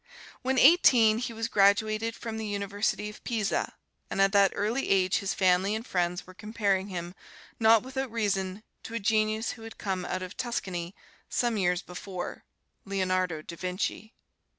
When eighteen he was graduated from the University of Pisa; and at that early age his family and friends were comparing him, not without reason, to a Genius who had come out of Tuscany some years before, Leonardo da Vinci.